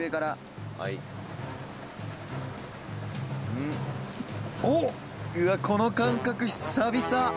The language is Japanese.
「うわっこの感覚久々！」